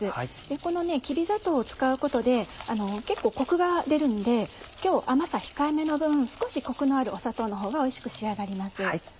このきび砂糖を使うことで結構コクが出るので今日甘さ控えめの分少しコクのある砂糖のほうがおいしく仕上がります。